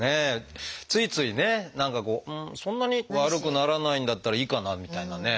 ついついね何かこうそんなに悪くならないんだったらいいかなみたいなね。